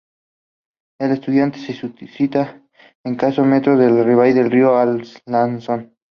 El estadio se sitúa a escasos metros de la ribera del río Arlanzón.